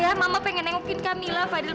ya allah mama pengen nengokin kamila fadil